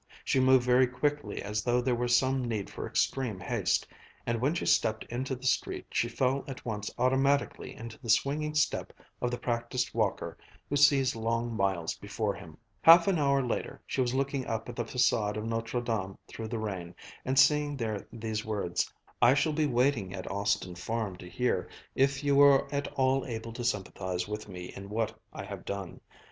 She moved very quickly as though there were some need for extreme haste, and when she stepped into the street she fell at once automatically into the swinging step of the practised walker who sees long miles before him. Half an hour later she was looking up at the façade of Notre Dame through the rain, and seeing there these words: "I shall be waiting at Austin Farm to hear if you are at all able to sympathize with me in what I have done.